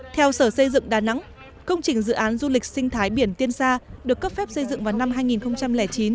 theo sở xây dựng đà nẵng công trình dự án du lịch sinh thái biển tiên sa được cấp phép xây dựng vào năm hai nghìn chín